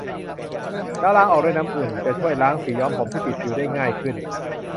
แล้วล้างออกด้วยน้ำอุ่น จะช่วยล้างสีย้อมผมที่ติดผิวได้ง่ายขึ้น